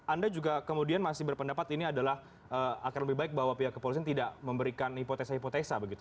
anda juga kemudian masih berpendapat ini adalah akan lebih baik bahwa pihak kepolisian tidak memberikan hipotesa hipotesa begitu